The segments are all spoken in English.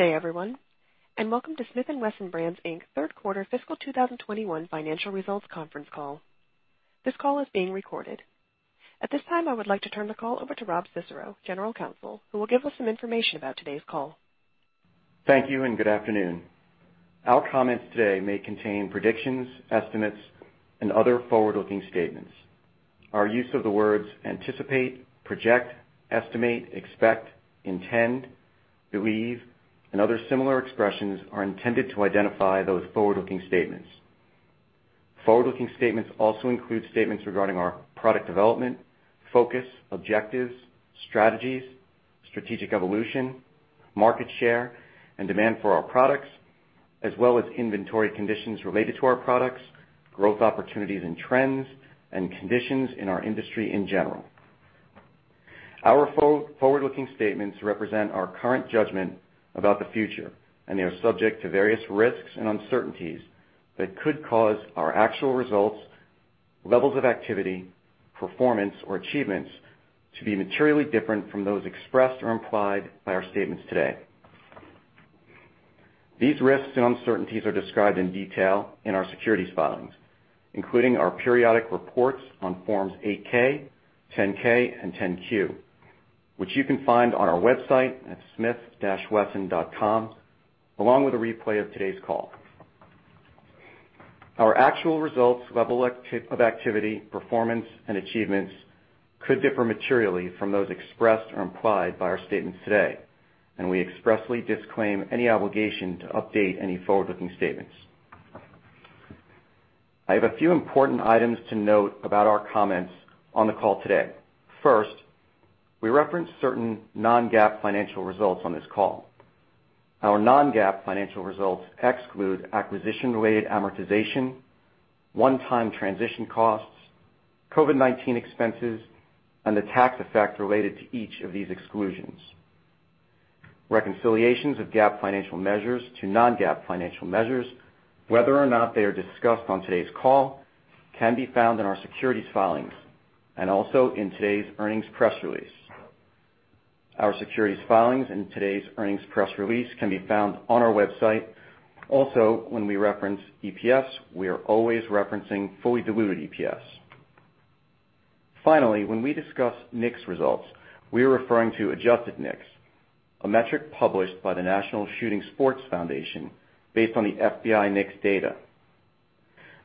Good day everyone, and welcome to Smith & Wesson Brands, Inc.'s third quarter fiscal 2021 financial results conference call. This call is being recorded. At this time, I would like to turn the call over to Rob Cicero, General Counsel, who will give us some information about today's call. Thank you and good afternoon. Our comments today may contain predictions, estimates, and other forward-looking statements. Our use of the words anticipate, project, estimate, expect, intend, believe, and other similar expressions are intended to identify those forward-looking statements. Forward-looking statements also include statements regarding our product development, focus, objectives, strategies, strategic evolution, market share, and demand for our products, as well as inventory conditions related to our products, growth opportunities and trends, and conditions in our industry in general. Our forward-looking statements represent our current judgment about the future, and they are subject to various risks and uncertainties that could cause our actual results, levels of activity, performance, or achievements to be materially different from those expressed or implied by our statements today. These risks and uncertainties are described in detail in our securities filings, including our periodic reports on forms 8-K, 10-K, and 10-Q, which you can find on our website at smith-wesson.com, along with a replay of today's call. Our actual results, level of activity, performance, and achievements could differ materially from those expressed or implied by our statements today, and we expressly disclaim any obligation to update any forward-looking statements. I have a few important items to note about our comments on the call today. First, we reference certain non-GAAP financial results on this call. Our non-GAAP financial results exclude acquisition-related amortization, one-time transition costs, COVID-19 expenses, and the tax effect related to each of these exclusions. Reconciliations of GAAP financial measures to non-GAAP financial measures, whether or not they are discussed on today's call, can be found in our securities filings and also in today's earnings press release. Our securities filings and today's earnings press release can be found on our website. Also, when we reference EPS, we are always referencing fully diluted EPS. Finally, when we discuss NICS results, we are referring to adjusted NICS, a metric published by the National Shooting Sports Foundation based on the FBI NICS data.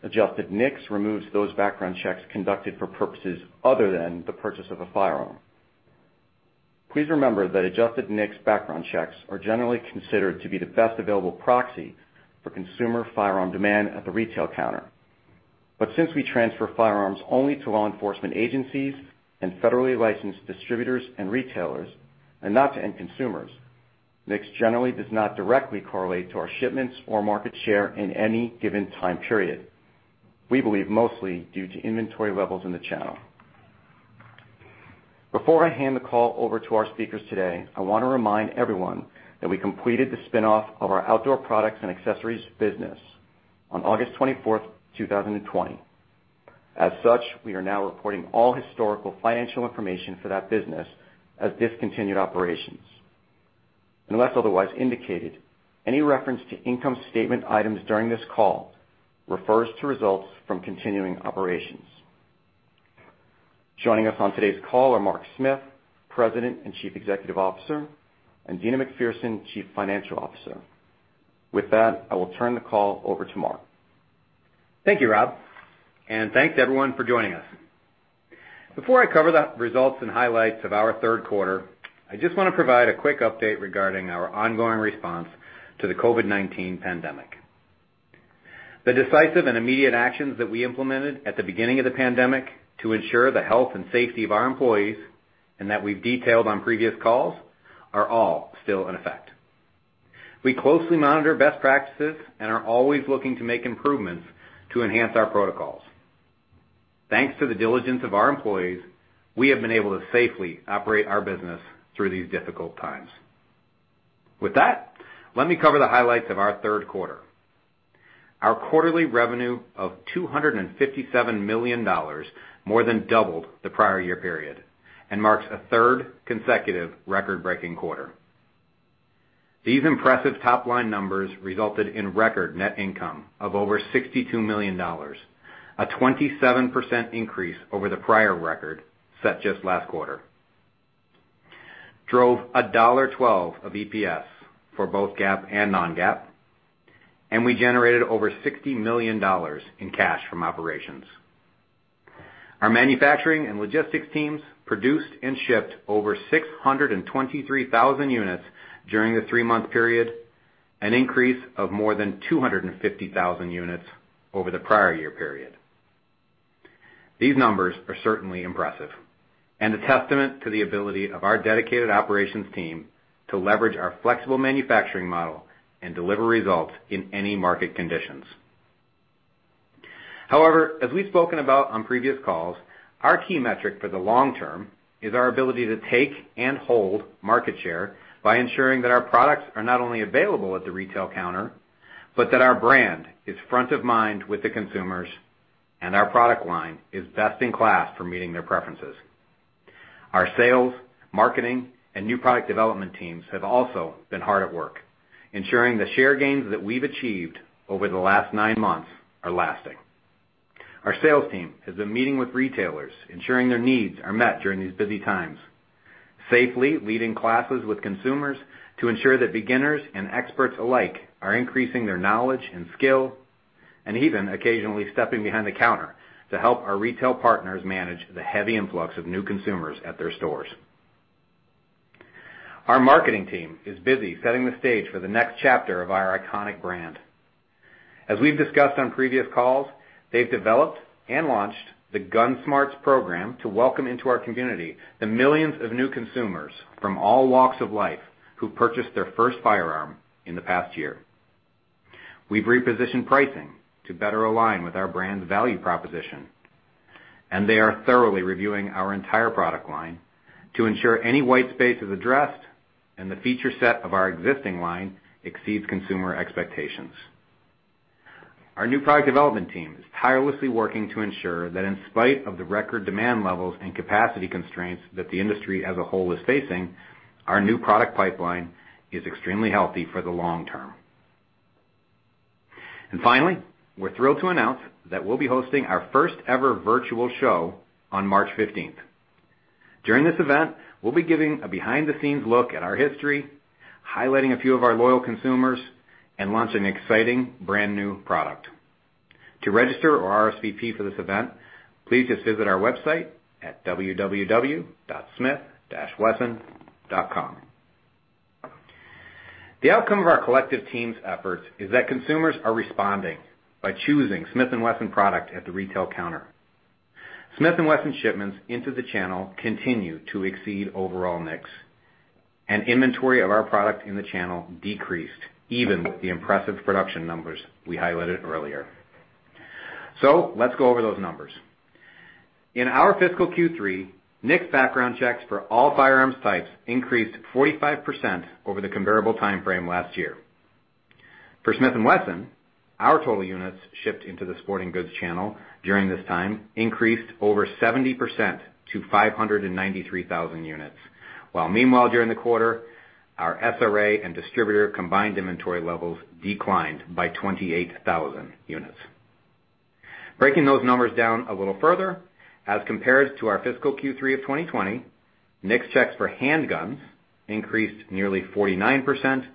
Adjusted NICS removes those background checks conducted for purposes other than the purchase of a firearm. Please remember that adjusted NICS background checks are generally considered to be the best available proxy for consumer firearm demand at the retail counter. Since we transfer firearms only to law enforcement agencies and federally licensed distributors and retailers, and not to end consumers, NICS generally does not directly correlate to our shipments or market share in any given time period, we believe mostly due to inventory levels in the channel. Before I hand the call over to our speakers today, I want to remind everyone that we completed the spinoff of our outdoor products and accessories business on August 24th, 2020. As such, we are now reporting all historical financial information for that business as discontinued operations. Unless otherwise indicated, any reference to income statement items during this call refers to results from continuing operations. Joining us on today's call are Mark Smith, President and Chief Executive Officer, and Deana McPherson, Chief Financial Officer. With that, I will turn the call over to Mark. Thank you, Rob, and thanks everyone for joining us. Before I cover the results and highlights of our third quarter, I just want to provide a quick update regarding our ongoing response to the COVID-19 pandemic. The decisive and immediate actions that we implemented at the beginning of the pandemic to ensure the health and safety of our employees, and that we've detailed on previous calls, are all still in effect. We closely monitor best practices and are always looking to make improvements to enhance our protocols. Thanks to the diligence of our employees, we have been able to safely operate our business through these difficult times. With that, let me cover the highlights of our third quarter. Our quarterly revenue of $257 million more than doubled the prior year period and marks a third consecutive record-breaking quarter. These impressive top-line numbers resulted in record net income of over $62 million, a 27% increase over the prior record set just last quarter, drove $1.12 of EPS for both GAAP and non-GAAP, and we generated over $60 million in cash from operations. Our manufacturing and logistics teams produced and shipped over 623,000 units during the three-month period, an increase of more than 250,000 units over the prior year period. These numbers are certainly impressive, and a testament to the ability of our dedicated operations team to leverage our flexible manufacturing model and deliver results in any market conditions. However, as we've spoken about on previous calls, our key metric for the long term is our ability to take and hold market share by ensuring that our products are not only available at the retail counter, but that our brand is front of mind with the consumers and our product line is best in class for meeting their preferences. Our sales, marketing, and new product development teams have also been hard at work ensuring the share gains that we've achieved over the last nine months are lasting. Our sales team has been meeting with retailers, ensuring their needs are met during these busy times, safely leading classes with consumers to ensure that beginners and experts alike are increasing their knowledge and skill, and even occasionally stepping behind the counter to help our retail partners manage the heavy influx of new consumers at their stores. Our marketing team is busy setting the stage for the next chapter of our iconic brand. As we've discussed on previous calls, they've developed and launched the GUNSMARTS program to welcome into our community the millions of new consumers from all walks of life who purchased their first firearm in the past year. We've repositioned pricing to better align with our brand's value proposition, and they are thoroughly reviewing our entire product line to ensure any white space is addressed, and the feature set of our existing line exceeds consumer expectations. Our new product development team is tirelessly working to ensure that in spite of the record demand levels and capacity constraints that the industry as a whole is facing, our new product pipeline is extremely healthy for the long term. Finally, we're thrilled to announce that we'll be hosting our first ever virtual show on March 15th. During this event, we'll be giving a behind-the-scenes look at our history, highlighting a few of our loyal consumers, and launch an exciting brand-new product. To register or RSVP for this event, please just visit our website at www.smith-wesson.com. The outcome of our collective team's efforts is that consumers are responding by choosing Smith & Wesson product at the retail counter. Smith & Wesson shipments into the channel continue to exceed overall NICS, and inventory of our product in the channel decreased, even with the impressive production numbers we highlighted earlier. Let's go over those numbers. In our fiscal Q3, NICS background checks for all firearms types increased 45% over the comparable timeframe last year. For Smith & Wesson, our total units shipped into the sporting goods channel during this time increased over 70% to 593,000 units. Meanwhile, during the quarter, our SRA and distributor combined inventory levels declined by 28,000 units. Breaking those numbers down a little further, as compared to our fiscal Q3 of 2020, NICS checks for handguns increased nearly 49%,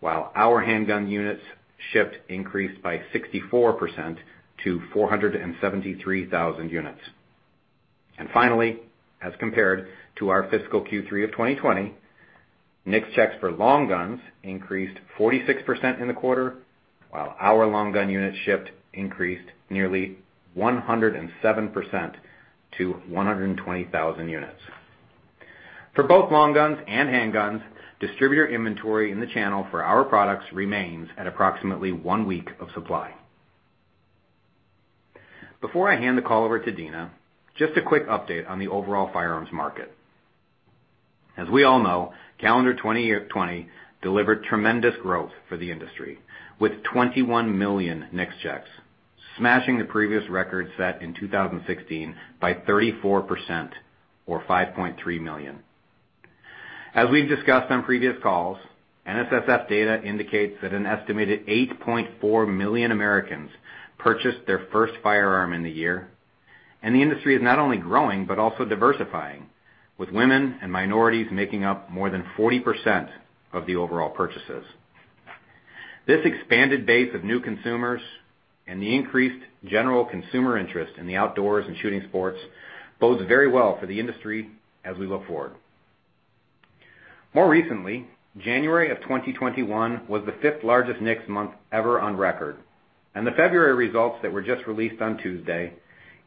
while our handgun units shipped increased by 64% to 473,000 units. Finally, as compared to our fiscal Q3 of 2020, NICS checks for long guns increased 46% in the quarter, while our long gun units shipped increased nearly 107% to 120,000 units. For both long guns and handguns, distributor inventory in the channel for our products remains at approximately one week of supply. Before I hand the call over to Deana, just a quick update on the overall firearms market. As we all know, calendar 2020 delivered tremendous growth for the industry, with 21 million NICS checks, smashing the previous record set in 2016 by 34%, or 5.3 million. As we've discussed on previous calls, NSSF data indicates that an estimated 8.4 million Americans purchased their first firearm in the year, and the industry is not only growing, but also diversifying, with women and minorities making up more than 40% of the overall purchases. This expanded base of new consumers and the increased general consumer interest in the outdoors and shooting sports bodes very well for the industry as we look forward. More recently, January of 2021 was the fifth-largest NICS month ever on record, and the February results that were just released on Tuesday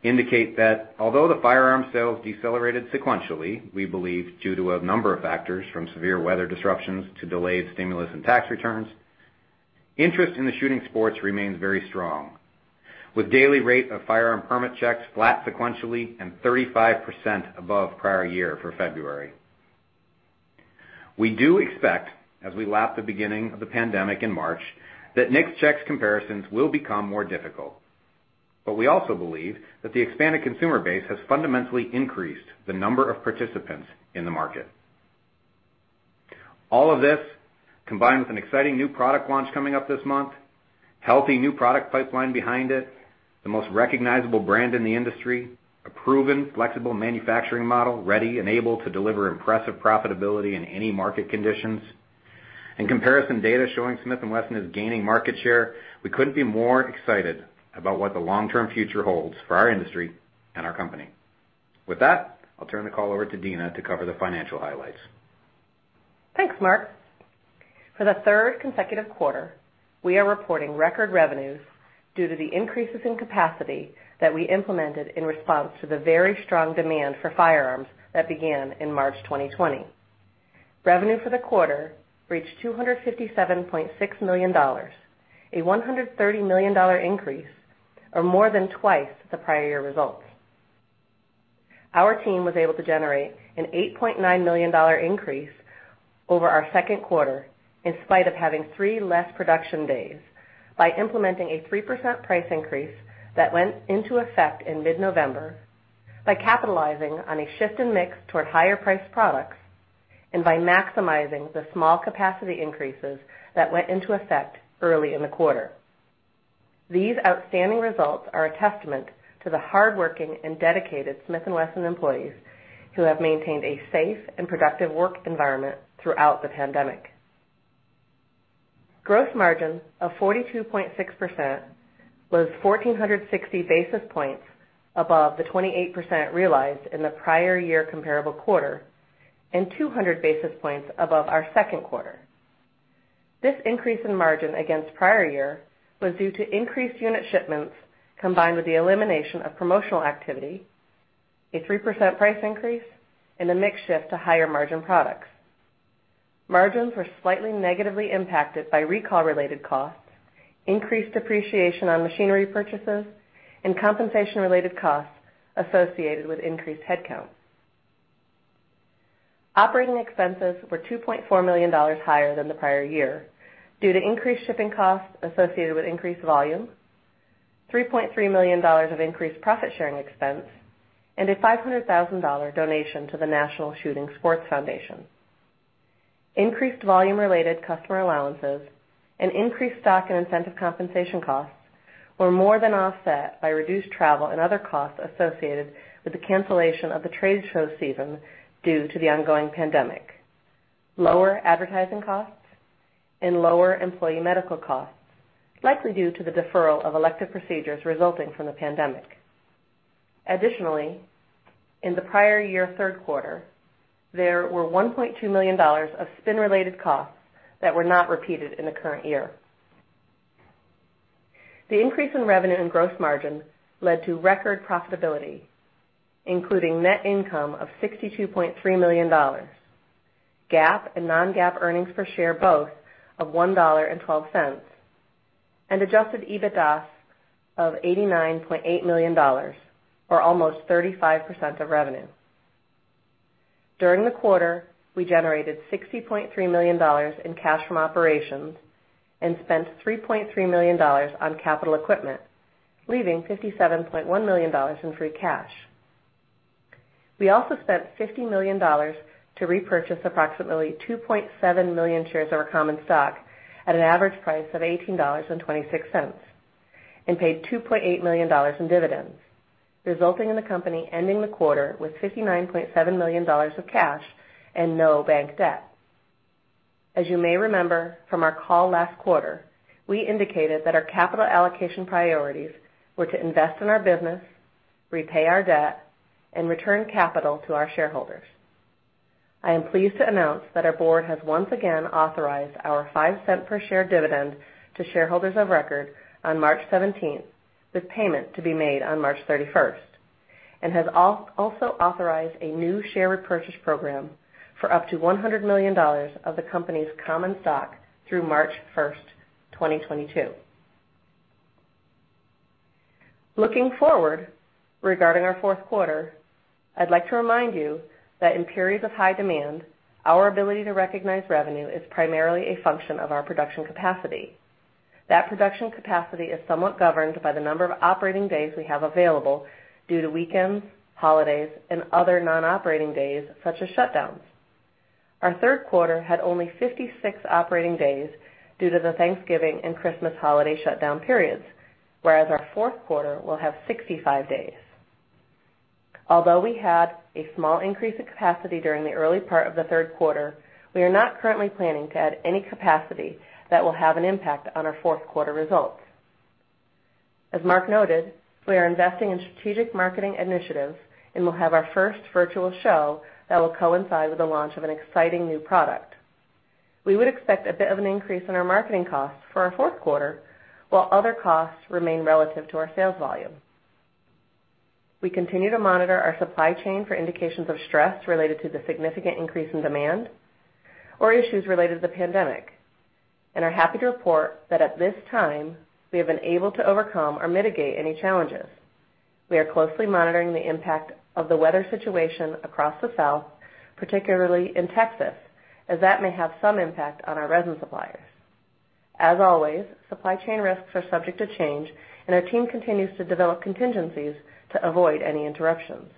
indicate that although the firearm sales decelerated sequentially, we believe due to a number of factors from severe weather disruptions to delayed stimulus and tax returns, interest in the shooting sports remains very strong, with daily rate of firearm permit checks flat sequentially and 35% above prior year for February. We do expect, as we lap the beginning of the pandemic in March, that NICS checks comparisons will become more difficult. We also believe that the expanded consumer base has fundamentally increased the number of participants in the market. All of this, combined with an exciting new product launch coming up this month, healthy new product pipeline behind it, the most recognizable brand in the industry, a proven flexible manufacturing model ready and able to deliver impressive profitability in any market conditions, and comparison data showing Smith & Wesson is gaining market share, we couldn't be more excited about what the long-term future holds for our industry and our company. With that, I'll turn the call over to Deana to cover the financial highlights. Thanks, Mark. For the third consecutive quarter, we are reporting record revenues due to the increases in capacity that we implemented in response to the very strong demand for firearms that began in March 2020. Revenue for the quarter reached $257.6 million, a $130 million increase, or more than twice the prior year results. Our team was able to generate an $8.9 million increase Over our second quarter, in spite of having three less production days by implementing a 3% price increase that went into effect in mid-November, by capitalizing on a shift in mix toward higher priced products, and by maximizing the small capacity increases that went into effect early in the quarter. These outstanding results are a testament to the hardworking and dedicated Smith & Wesson employees who have maintained a safe and productive work environment throughout the pandemic. Gross margin of 42.6% was 1,460 basis points above the 28% realized in the prior year comparable quarter, and 200 basis points above our second quarter. This increase in margin against prior year was due to increased unit shipments, combined with the elimination of promotional activity, a 3% price increase, and a mix shift to higher margin products. Margins were slightly negatively impacted by recall related costs, increased depreciation on machinery purchases, and compensation related costs associated with increased headcount. Operating expenses were $2.4 million higher than the prior year due to increased shipping costs associated with increased volume, $3.3 million of increased profit-sharing expense, and a $500,000 donation to the National Shooting Sports Foundation. Increased volume related customer allowances and increased stock and incentive compensation costs were more than offset by reduced travel and other costs associated with the cancellation of the trade show season due to the ongoing pandemic, lower advertising costs and lower employee medical costs, likely due to the deferral of elective procedures resulting from the pandemic. Additionally, in the prior year third quarter, there were $1.2 million of spin related costs that were not repeated in the current year. The increase in revenue and gross margin led to record profitability, including net income of $62.3 million, GAAP and non-GAAP earnings per share, both of $1.12, and adjusted EBITDA of $89.8 million, or almost 35% of revenue. During the quarter, we generated $60.3 million in cash from operations and spent $3.3 million on capital equipment, leaving $57.1 million in free cash. We also spent $50 million to repurchase approximately 2.7 million shares of our common stock at an average price of $18.26 and paid $2.8 million in dividends, resulting in the company ending the quarter with $59.7 million of cash and no bank debt. As you may remember from our call last quarter, we indicated that our capital allocation priorities were to invest in our business, repay our debt, and return capital to our shareholders. I am pleased to announce that our board has once again authorized our $0.05 per share dividend to shareholders of record on March 17th, with payment to be made on March 31st, and has also authorized a new share repurchase program for up to $100 million of the company's common stock through March 1st, 2022. Looking forward regarding our fourth quarter, I'd like to remind you that in periods of high demand, our ability to recognize revenue is primarily a function of our production capacity. That production capacity is somewhat governed by the number of operating days we have available due to weekends, holidays, and other non-operating days such as shutdowns. Our third quarter had only 56 operating days due to the Thanksgiving and Christmas holiday shutdown periods, whereas our fourth quarter will have 65 days. Although we had a small increase in capacity during the early part of the third quarter, we are not currently planning to add any capacity that will have an impact on our fourth quarter results. As Mark noted, we are investing in strategic marketing initiatives and will have our first virtual show that will coincide with the launch of an exciting new product. We would expect a bit of an increase in our marketing costs for our fourth quarter, while other costs remain relative to our sales volume. We continue to monitor our supply chain for indications of stress related to the significant increase in demand or issues related to the pandemic and are happy to report that at this time, we have been able to overcome or mitigate any challenges. We are closely monitoring the impact of the weather situation across the South, particularly in Texas, as that may have some impact on our resin suppliers. As always, supply chain risks are subject to change and our team continues to develop contingencies to avoid any interruptions.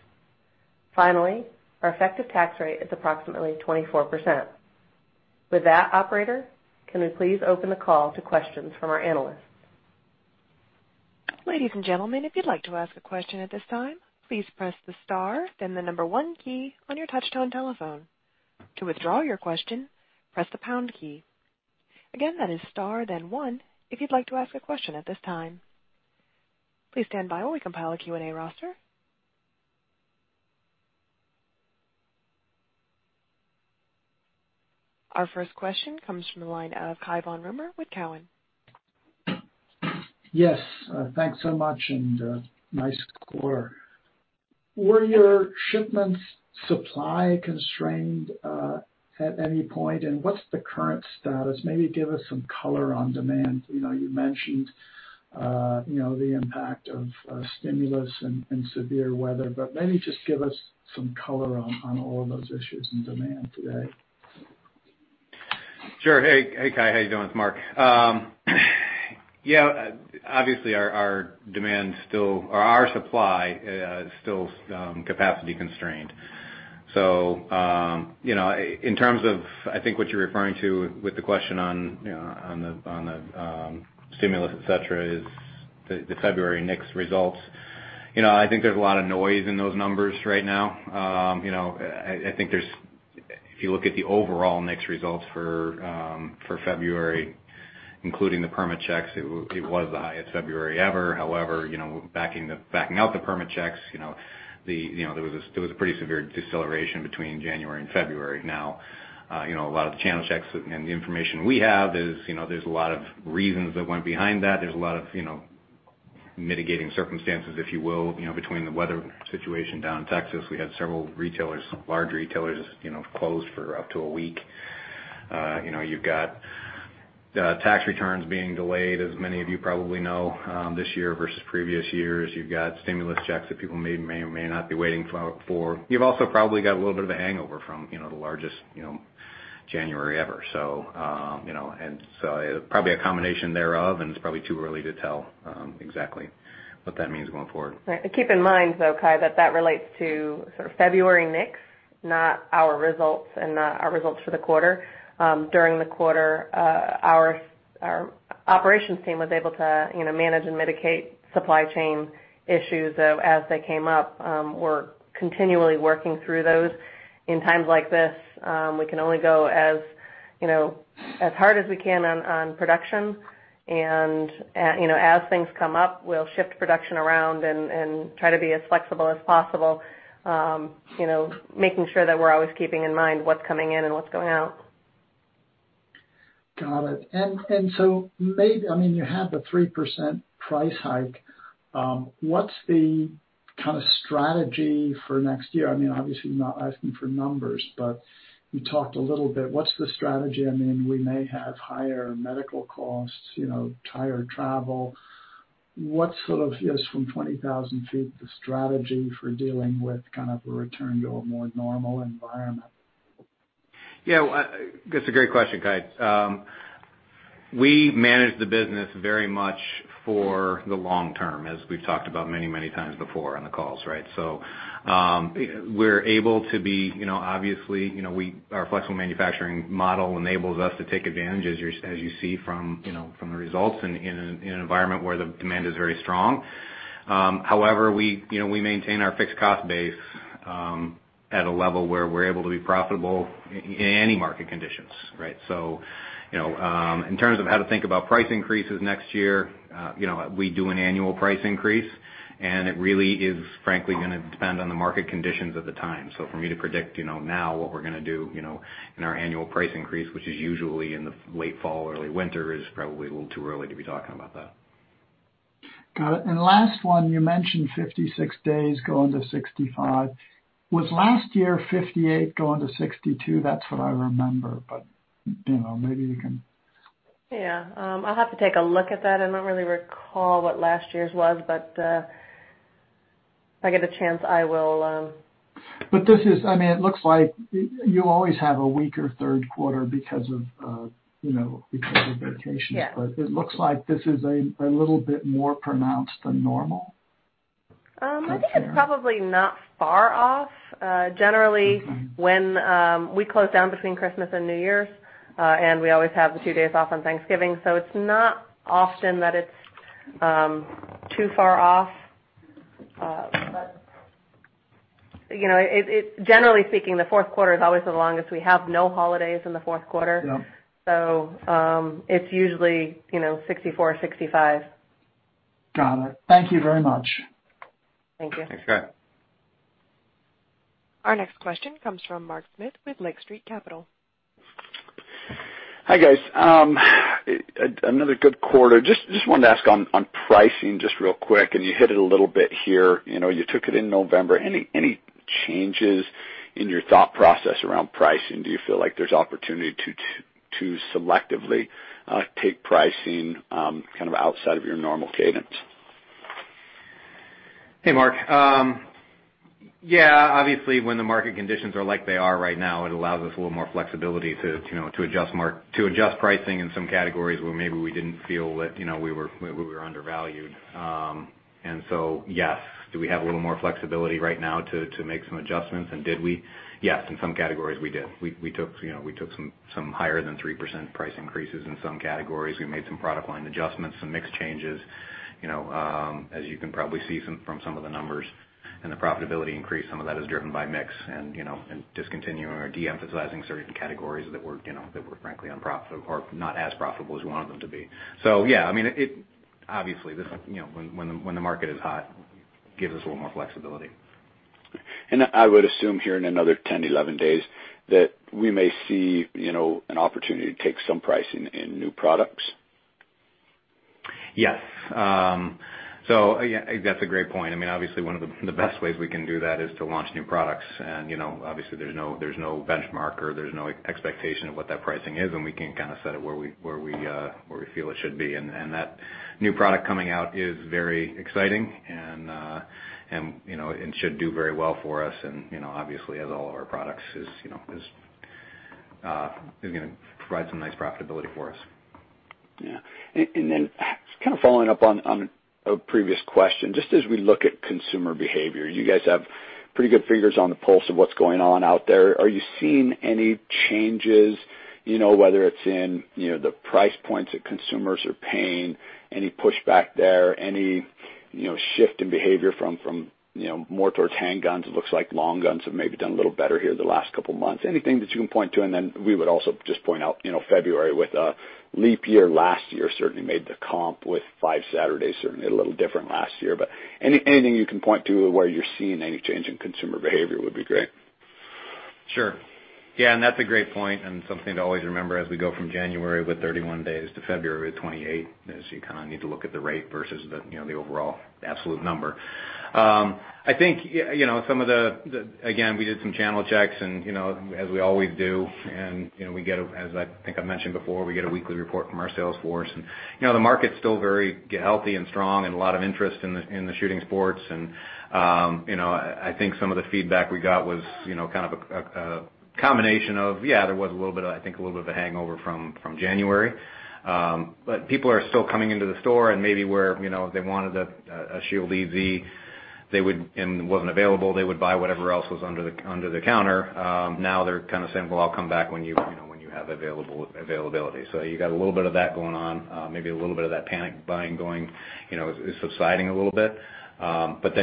Finally, our effective tax rate is approximately 24%. With that, Operator, can we please open the call to questions from our analysts? Ladies and gentlemen, if you'd like to ask a question at this time, please press the star then the number 1 key on your touchtone telephone. To withdraw your question, press the pound key. Again, that is star then one if you'd like to ask a question at this time. Please stand by while we compile a Q&A roster. Our first question comes from the line of Cai von Rumohr with Cowen. Yes. Thanks so much. Nice quarter. Were your shipments supply constrained at any point, and what's the current status? Maybe give us some color on demand. You mentioned the impact of stimulus and severe weather, maybe just give us some color on all of those issues and demand today. Sure. Hey, Cai. How you doing? It's Mark. Obviously our supply is still capacity constrained. In terms of, I think what you're referring to with the question on the stimulus, et cetera, is the February NICS results. I think there's a lot of noise in those numbers right now. I think if you look at the overall NICS results for February, including the permit checks, it was the highest February ever. However, backing out the permit checks, there was a pretty severe deceleration between January and February. A lot of the channel checks and the information we have is, there's a lot of reasons that went behind that. There's a lot of mitigating circumstances, if you will, between the weather situation down in Texas. We had several retailers, large retailers, closed for up to a week. You've got tax returns being delayed, as many of you probably know, this year versus previous years. You've got stimulus checks that people may or may not be waiting for. You've also probably got a little bit of a hangover from the largest January ever. Probably a combination thereof, and it's probably too early to tell exactly what that means going forward. Right. Keep in mind, though, Cai, that that relates to sort of February NICS, not our results and not our results for the quarter. During the quarter, our operations team was able to manage and mitigate supply chain issues as they came up. We're continually working through those. In times like this, we can only go as hard as we can on production. As things come up, we'll shift production around and try to be as flexible as possible, making sure that we're always keeping in mind what's coming in and what's going out. Got it. Maybe, you had the 3% price hike. What's the kind of strategy for next year? Obviously, I'm not asking for numbers, but you talked a little bit. What's the strategy? We may have higher medical costs, higher travel. What's sort of, just from 20,000 feet, the strategy for dealing with kind of a return to a more normal environment? Yeah. That's a great question, Cai. We manage the business very much for the long term, as we've talked about many, many times before on the calls, right? We're able to be, obviously, our flexible manufacturing model enables us to take advantage as you see from the results in an environment where the demand is very strong. However, we maintain our fixed cost base at a level where we're able to be profitable in any market conditions, right? In terms of how to think about price increases next year, we do an annual price increase, it really is frankly going to depend on the market conditions at the time. For me to predict now what we're going to do in our annual price increase, which is usually in the late fall, early winter, is probably a little too early to be talking about that. Got it. Last one, you mentioned 56 days going to 65. Was last year 58 going to 62? That's what I remember, maybe you can Yeah. I'll have to take a look at that. I don't really recall what last year's was, but if I get a chance, I will. This is, it looks like you always have a weaker third quarter because of vacations. Yeah. It looks like this is a little bit more pronounced than normal. I think it's probably not far off. Generally, when we close down between Christmas and New Year's, we always have the two days off on Thanksgiving, it's not often that it's too far off. Generally speaking, the fourth quarter is always the longest. We have no holidays in the fourth quarter. No. It's usually 64, 65. Got it. Thank you very much. Thank you. Thanks, Cai. Our next question comes from Mark Smith with Lake Street Capital. Hi, guys. Another good quarter. Just wanted to ask on pricing just real quick, and you hit it a little bit here. You took it in November. Any changes in your thought process around pricing? Do you feel like there's opportunity to selectively take pricing kind of outside of your normal cadence? Hey, Mark. Yeah, obviously when the market conditions are like they are right now, it allows us a little more flexibility to adjust pricing in some categories where maybe we didn't feel that we were undervalued. Yes, do we have a little more flexibility right now to make some adjustments, and did we? Yes, in some categories we did. We took some higher than 3% price increases in some categories. We made some product line adjustments, some mix changes. As you can probably see from some of the numbers and the profitability increase, some of that is driven by mix and discontinuing or de-emphasizing certain categories that were frankly not as profitable as we wanted them to be. Yeah, obviously, when the market is hot, it gives us a little more flexibility. I would assume here in another 10, 11 days that we may see an opportunity to take some pricing in new products. Yes. That's a great point. Obviously, one of the best ways we can do that is to launch new products. Obviously, there's no benchmark or there's no expectation of what that pricing is, and we can kind of set it where we feel it should be. That new product coming out is very exciting and it should do very well for us, and obviously, as all of our products, is going to provide some nice profitability for us. Yeah. Just kind of following up on a previous question, just as we look at consumer behavior, you guys have pretty good fingers on the pulse of what's going on out there. Are you seeing any changes, whether it's in the price points that consumers are paying, any pushback there, any shift in behavior from more towards handguns? It looks like long guns have maybe done a little better here the last couple of months. Anything that you can point to? We would also just point out, February with a leap year last year certainly made the comp with five Saturdays certainly a little different last year. Anything you can point to where you're seeing any change in consumer behavior would be great. Sure. Yeah, that's a great point and something to always remember as we go from January with 31 days to February with 28, is you kind of need to look at the rate versus the overall absolute number. Again, we did some channel checks, as we always do, and as I think I've mentioned before, we get a weekly report from our sales force, and the market's still very healthy and strong and a lot of interest in the shooting sports. I think some of the feedback we got was kind of a combination of, yeah, there was I think a little bit of a hangover from January. People are still coming into the store and maybe where, if they wanted a Shield EZ, and it wasn't available, they would buy whatever else was under the counter. Now they're kind of saying, "Well, I'll come back when you have availability." You got a little bit of that going on. Maybe a little bit of that panic buying going, it's subsiding a little bit.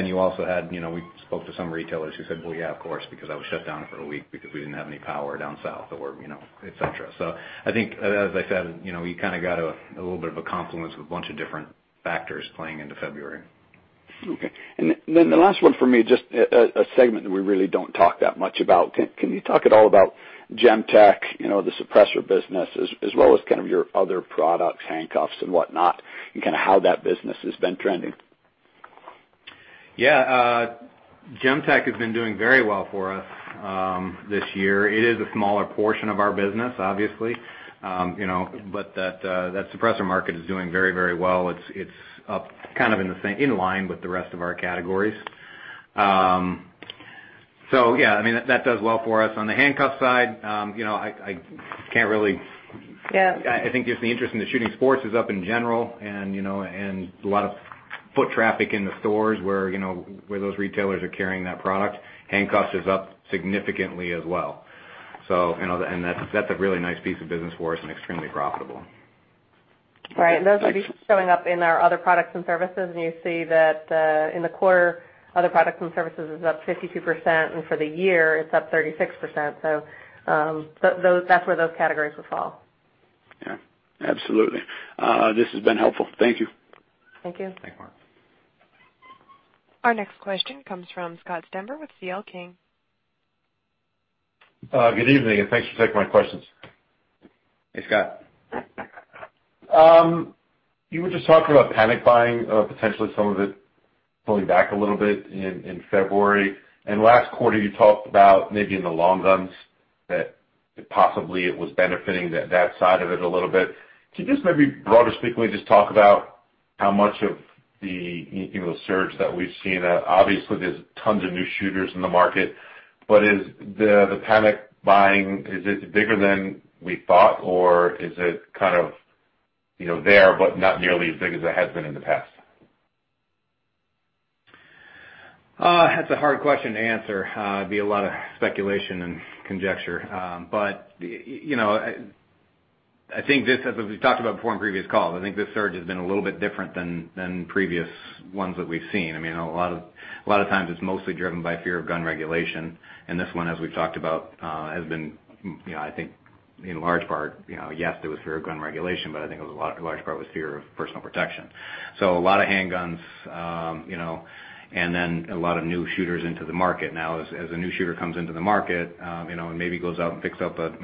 You also had, we spoke to some retailers who said, "Well, yeah, of course, because I was shut down for a week because we didn't have any power down south," or et cetera. I think, as I said, we kind of got a little bit of a confluence of a bunch of different factors playing into February. Okay. The last one for me, just a segment that we really don't talk that much about. Can you talk at all about Gemtech, the suppressor business, as well as kind of your other products, handcuffs and whatnot, and kind of how that business has been trending? Yeah. Gemtech has been doing very well for us, this year. It is a smaller portion of our business, obviously. That suppressor market is doing very well. It's up, kind of in line with the rest of our categories. Yeah, that does well for us. On the handcuffs side, I can't really. I think just the interest in the shooting sports is up in general and a lot of foot traffic in the stores where those retailers are carrying that product. Handcuffs is up significantly as well, and that's a really nice piece of business for us and extremely profitable. Right. Those are just showing up in our other products and services, and you see that, in the quarter, other products and services is up 52%, and for the year, it's up 36%. That's where those categories would fall. Yeah. Absolutely. This has been helpful. Thank you. Thank you. Thanks, Mark. Our next question comes from Scott Stember with C.L. King. Good evening. Thanks for taking my questions. Hey, Scott. You were just talking about panic buying, potentially some of it pulling back a little bit in February. Last quarter, you talked about maybe in the long guns that possibly it was benefiting that side of it a little bit. Can you just maybe broadly speaking, just talk about how much of the surge that we've seen? Obviously, there's tons of new shooters in the market, but is the panic buying, is it bigger than we thought, or is it kind of there, but not nearly as big as it has been in the past? That's a hard question to answer. It'd be a lot of speculation and conjecture. I think just as we've talked about before on previous calls, I think this surge has been a little bit different than previous ones that we've seen. A lot of times it's mostly driven by fear of gun regulation. This one, as we've talked about, has been, I think in large part, yes, it was fear of gun regulation, but I think a large part was fear of personal protection. A lot of handguns, and then a lot of new shooters into the market. Now, as a new shooter comes into the market, and maybe goes out and picks up a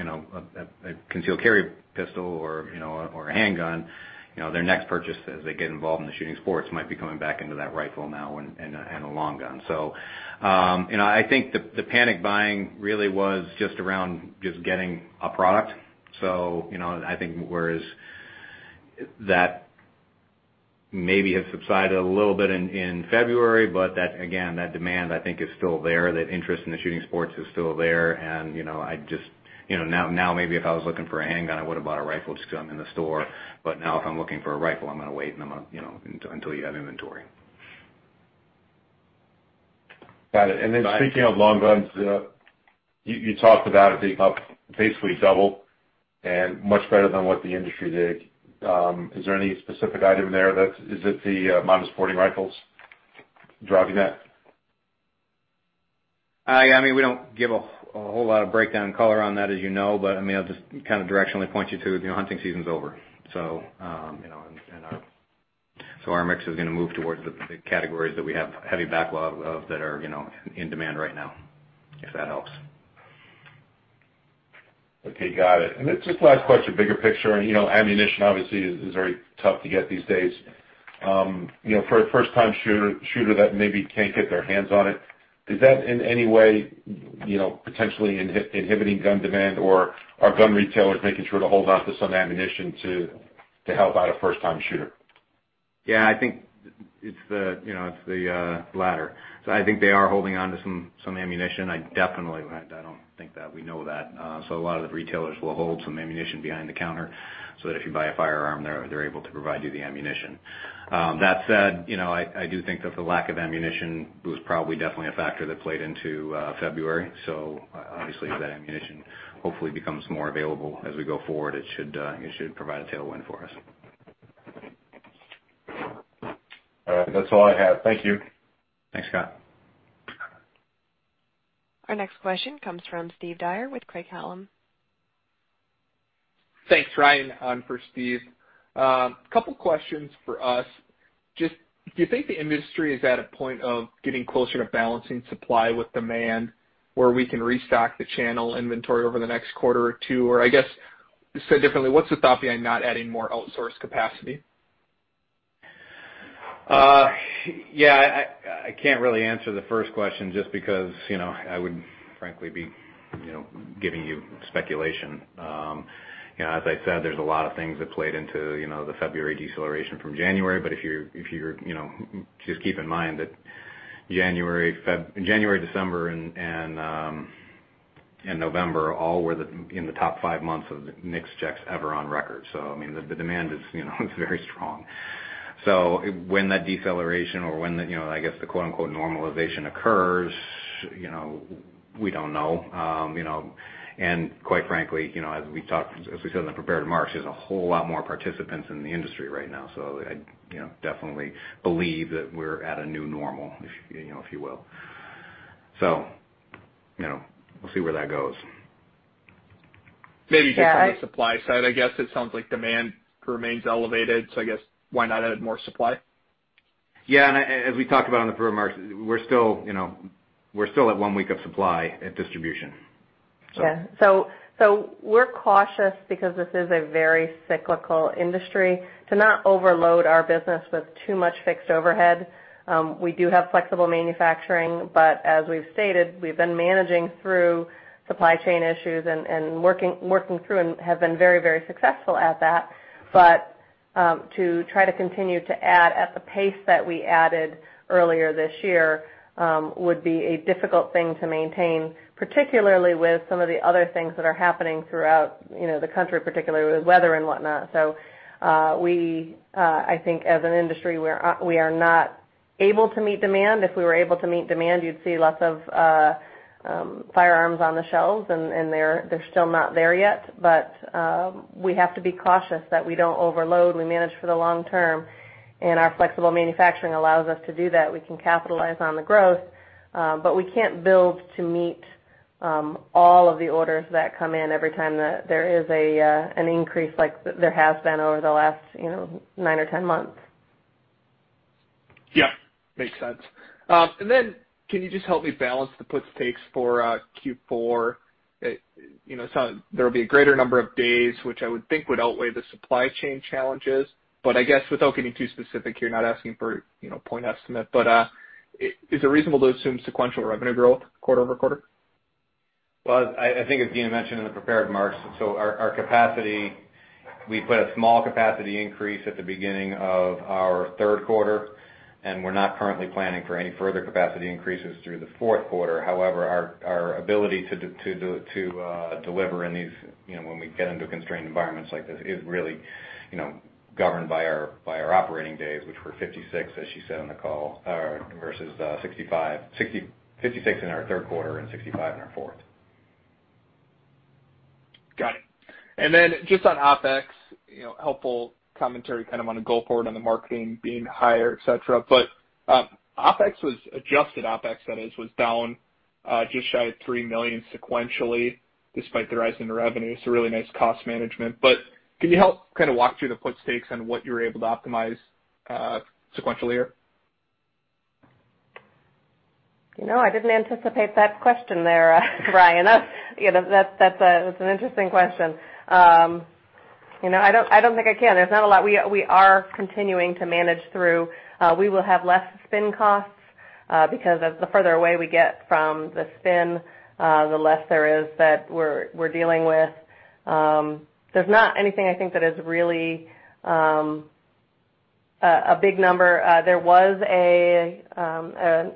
concealed carry pistol or a handgun, their next purchase as they get involved in the shooting sports might be coming back into that rifle now and a long gun. I think the panic buying really was just around just getting a product. I think whereas that maybe has subsided a little bit in February, but again, that demand, I think is still there, that interest in the shooting sports is still there, and now maybe if I was looking for a handgun, I would've bought a rifle just because I'm in the store. Now if I'm looking for a rifle, I'm going to wait until you have inventory. Got it. Then speaking of long guns, you talked about it being up basically double and much better than what the industry did. Is there any specific item there, is it the modern sporting rifles driving that? We don't give a whole lot of breakdown color on that, as you know. I'll just kind of directionally point you to, the hunting season's over. Our mix is going to move towards the categories that we have heavy backlog of that are in demand right now, if that helps. Okay, got it. Just last question, bigger picture. Ammunition obviously is very tough to get these days. For a first-time shooter that maybe can't get their hands on it, is that in any way potentially inhibiting gun demand? Are gun retailers making sure to hold out to some ammunition to help out a first-time shooter? Yeah, I think it's the latter. I think they are holding onto some ammunition. I don't think that we know that. A lot of the retailers will hold some ammunition behind the counter, so that if you buy a firearm, they're able to provide you the ammunition. That said, I do think that the lack of ammunition was probably definitely a factor that played into February. Obviously, as that ammunition hopefully becomes more available as we go forward, it should provide a tailwind for us. All right. That's all I have. Thank you. Thanks, Scott. Our next question comes from Steve Dyer with Craig-Hallum. Thanks, Ryan on for Steve. Couple questions for us. Just, do you think the industry is at a point of getting closer to balancing supply with demand, where we can restock the channel inventory over the next quarter or two? I guess, said differently, what's the thought behind not adding more outsourced capacity? Yeah, I can't really answer the first question just because I would frankly be giving you speculation. As I said, there's a lot of things that played into the February deceleration from January. Just keep in mind that January, December, and November all were in the top five months of NICS checks ever on record. The demand is very strong. When that deceleration or when the, I guess the "normalization" occurs, we don't know. Quite frankly, as we said in the prepared remarks, there's a whole lot more participants in the industry right now. I definitely believe that we're at a new normal, if you will. We'll see where that goes. Maybe just from the supply side, I guess it sounds like demand remains elevated, so I guess why not add more supply? As we talked about on the prepared remarks, we're still at one week of supply at distribution. We're cautious because this is a very cyclical industry to not overload our business with too much fixed overhead. We do have flexible manufacturing, but as we've stated, we've been managing through supply chain issues and working through, and have been very successful at that. To try to continue to add at the pace that we added earlier this year, would be a difficult thing to maintain, particularly with some of the other things that are happening throughout the country, particularly with weather and whatnot. I think as an industry, we are not able to meet demand. If we were able to meet demand, you'd see lots of firearms on the shelves, and they're still not there yet. We have to be cautious that we don't overload, we manage for the long term, and our flexible manufacturing allows us to do that. We can capitalize on the growth. We can't build to meet all of the orders that come in every time that there is an increase like there has been over the last nine or 10 months. Yeah, makes sense. Then can you just help me balance the puts/takes for Q4? There'll be a greater number of days, which I would think would outweigh the supply chain challenges. I guess without getting too specific here, not asking for a point estimate, but is it reasonable to assume sequential revenue growth quarter-over-quarter? Well, I think as Deana mentioned in the prepared remarks, our capacity, we put a small capacity increase at the beginning of our third quarter, and we're not currently planning for any further capacity increases through the fourth quarter. However, our ability to deliver when we get into constrained environments like this is really governed by our operating days, which were 56, as she said on the call, versus 65. 56 in our third quarter and 65 in our fourth. Got it. Then just on OpEx, helpful commentary kind of on the go-forward on the marketing being higher, et cetera. OpEx was, adjusted OpEx, that is, was down just shy of $3 million sequentially despite the rise in revenue. Really nice cost management. Can you help kind of walk through the puts/takes on what you were able to optimize sequentially here? I didn't anticipate that question there, Ryan. That's an interesting question. I don't think I can. There's not a lot we are continuing to manage through. We will have less spin costs, because as the further away we get from the spin, the less there is that we're dealing with. There's not anything I think that is really a big number. There was an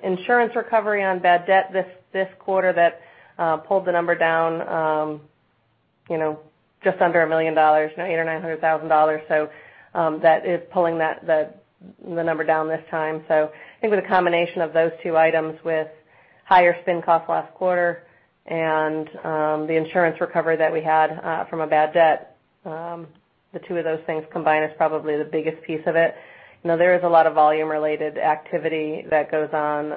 insurance recovery on bad debt this quarter that pulled the number down just under $1 million, $800,000 or $900,000. That is pulling the number down this time. I think it was a combination of those two items with higher spin cost last quarter and the insurance recovery that we had from a bad debt. The two of those things combined is probably the biggest piece of it. There is a lot of volume-related activity that goes on.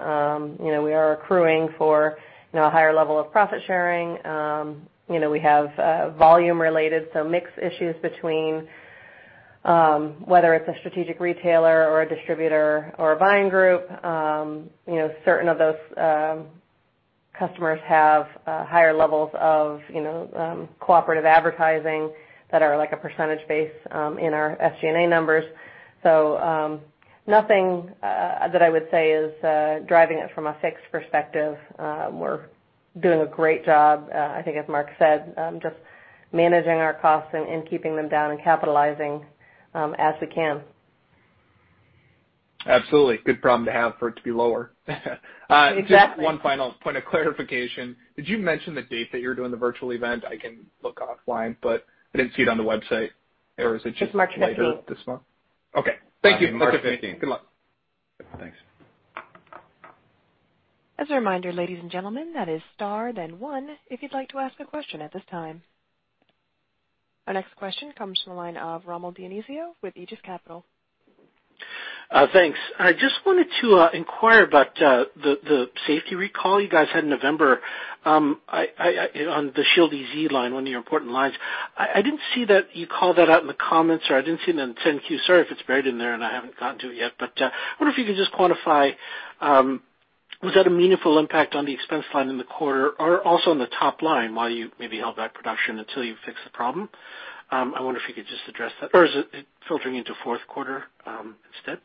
We are accruing for a higher level of profit sharing. We have volume-related, so mix issues between Whether it's a strategic retailer or a distributor or a buying group, certain of those customers have higher levels of cooperative advertising that are a percentage base in our SG&A numbers. Nothing that I would say is driving it from a fixed perspective. We're doing a great job, I think, as Mark said, just managing our costs and keeping them down and capitalizing as we can. Absolutely. Good problem to have for it to be lower. Exactly. Just one final point of clarification. Did you mention the date that you're doing the virtual event? I can look offline, but I didn't see it on the website. Or is it just later this month? It's March 15th. Okay. Thank you. March 15th. Good luck. Thanks. As a reminder, ladies and gentlemen, that is star then one if you'd like to ask a question at this time. Our next question comes from the line of Rommel Dionisio with Aegis Capital. Thanks. I just wanted to inquire about the safety recall you guys had in November on the Shield EZ line, one of your important lines. I didn't see that you called that out in the comments, or I didn't see it in the 10-Q. Sorry if it's buried in there and I haven't gotten to it yet, but I wonder if you could just quantify, was that a meaningful impact on the expense line in the quarter or also on the top line while you maybe held back production until you fixed the problem? I wonder if you could just address that. Or is it filtering into fourth quarter instead? Thanks.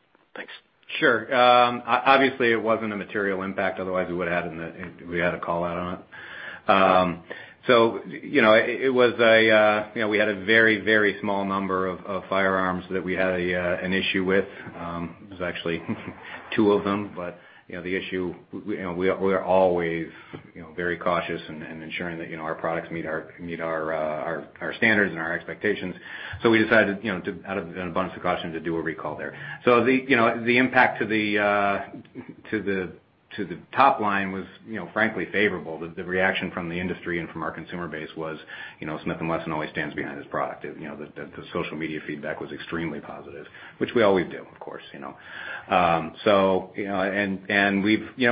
Sure. Obviously, it wasn't a material impact, otherwise we would've had a call-out on it. We had a very small number of firearms that we had an issue with. It was actually two of them. We're always very cautious in ensuring that our products meet our standards and our expectations. We decided out of an abundance of caution to do a recall there. The impact to the top line was frankly favorable. The reaction from the industry and from our consumer base was, Smith & Wesson always stands behind its product. The social media feedback was extremely positive, which we always do, of course.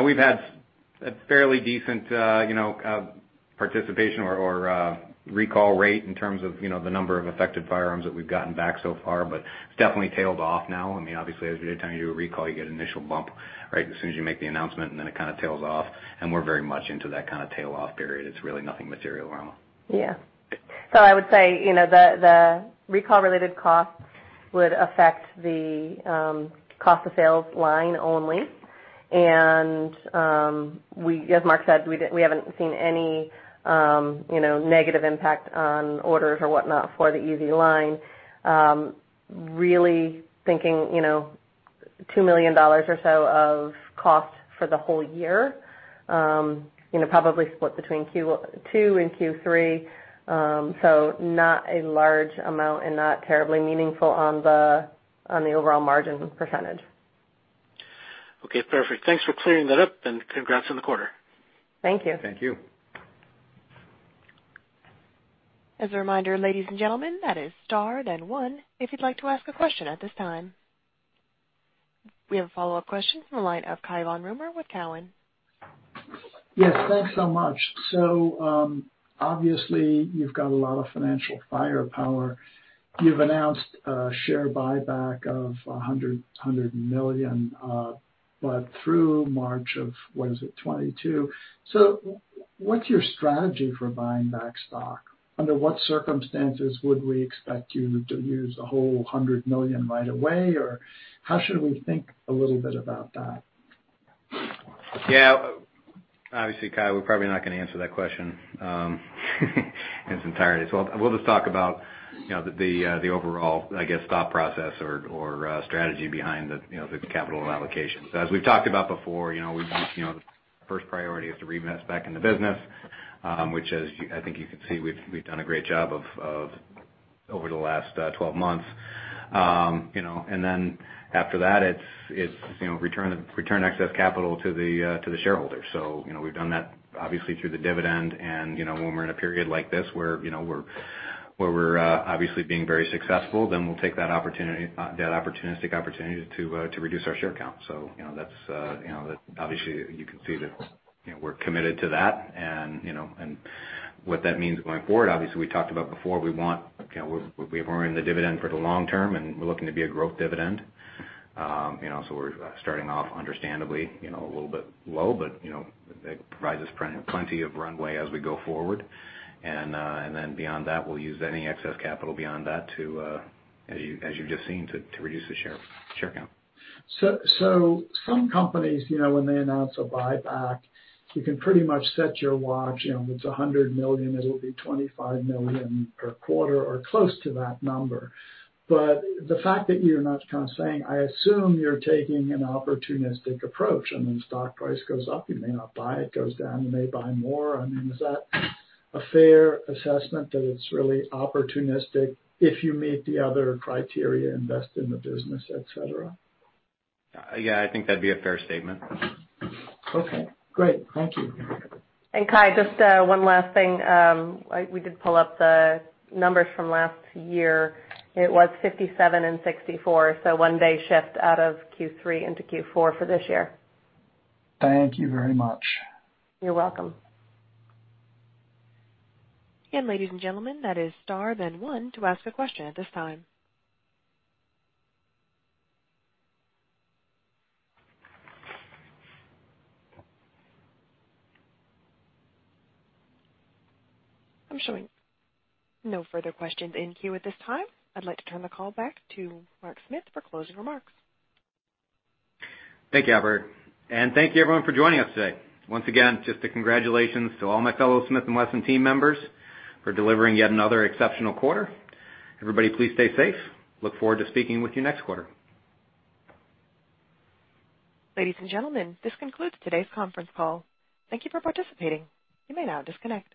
We've had fairly decent participation or recall rate in terms of the number of affected firearms that we've gotten back so far, but it's definitely tailed off now. Obviously, every time you do a recall, you get an initial bump right as soon as you make the announcement, and then it kind of tails off, and we're very much into that kind of tail-off period. It's really nothing material, Rommel. Yeah. I would say the recall-related costs would affect the cost of sales line only, and as Mark said, we haven't seen any negative impact on orders or whatnot for the EZ line. Really thinking $2 million or so of costs for the whole year, probably split between Q2 and Q3. Not a large amount and not terribly meaningful on the overall margin percentage. Okay, perfect. Thanks for clearing that up and congrats on the quarter. Thank you. Thank you. As a reminder, ladies and gentlemen, that is star then one if you'd like to ask a question at this time. We have a follow-up question from the line of Cai von Rumohr with Cowen. Yes, thanks so much. Obviously you've got a lot of financial firepower. You've announced a share buyback of $100 million, but through March of, what is it, 2022. What's your strategy for buying back stock? Under what circumstances would we expect you to use the whole $100 million right away? How should we think a little bit about that? Obviously, Cai, we're probably not going to answer that question in its entirety. We'll just talk about the overall, I guess, thought process or strategy behind the capital allocation. As we've talked about before, our first priority is to reinvest back in the business, which as I think you can see, we've done a great job of over the last 12 months. After that, it's return excess capital to the shareholders. We've done that obviously through the dividend, and when we're in a period like this where we're obviously being very successful, then we'll take that opportunistic opportunity to reduce our share count. Obviously you can see that we're committed to that, what that means going forward, obviously, we talked about before, we're in the dividend for the long term, we're looking to be a growth dividend. We're starting off understandably a little bit low, but that provides us plenty of runway as we go forward. Beyond that, we'll use any excess capital beyond that to, as you've just seen, to reduce the share count. Some companies when they announce a buyback, you can pretty much set your watch. If it's $100 million, it'll be $25 million per quarter or close to that number. The fact that you're not kind of saying, I assume you're taking an opportunistic approach, when stock price goes up, you may not buy it, goes down, you may buy more. Is that a fair assessment that it's really opportunistic if you meet the other criteria, invest in the business, et cetera? Yeah, I think that'd be a fair statement. Okay, great. Thank you. Cai, just one last thing. We did pull up the numbers from last year. It was 57 and 64, so one day shift out of Q3 into Q4 for this year. Thank you very much. You're welcome. Again, ladies and gentlemen, that is star then one to ask a question at this time. I'm showing no further questions in queue at this time. I'd like to turn the call back to Mark Smith for closing remarks. Thank you, Albert, and thank you, everyone, for joining us today. Once again, just a congratulations to all my fellow Smith & Wesson team members for delivering yet another exceptional quarter. Everybody, please stay safe. Look forward to speaking with you next quarter. Ladies and gentlemen, this concludes today's conference call. Thank you for participating. You may now disconnect.